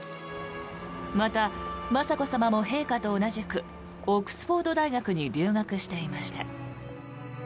また雅子さまも陛下と同じくオックスフォード大学に留学していました。